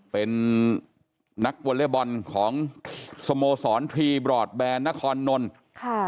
เป็นนักวอเลฟบอลของสโมศรภรีบรอดแบนนโคนนท์